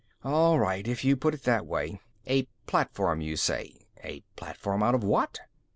"All right, if you put it that way. A platform, you say. A platform out of what?"